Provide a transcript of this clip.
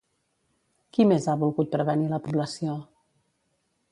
Qui més ha volgut prevenir la població?